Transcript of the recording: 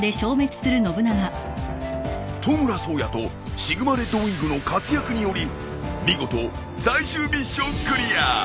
［トムラ颯也とシグマレッドウィングの活躍により見事最終ミッションクリア］